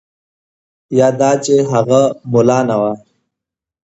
یا دا چې هغه ملا نه وای.